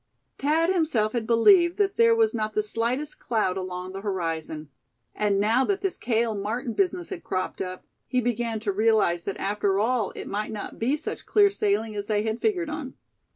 Thad himself had believed that there was not the slightest cloud along the horizon; and now that this Cale Martin business had cropped up, he began to realize that after all it might not be such clear sailing as they had figured on.